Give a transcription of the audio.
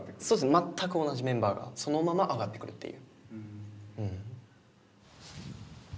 全く同じメンバーがそのまま上がってくるっていう。